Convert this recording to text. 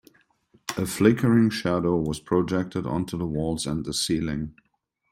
A flickering shadow was projected onto the walls and the ceiling.